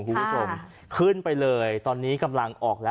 คุณผู้ชมขึ้นไปเลยตอนนี้กำลังออกแล้ว